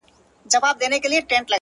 نن داخبره درلېږمه تاته؛